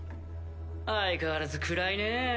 相変わらず暗いねぇ。